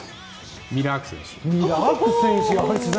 ミラーク選手。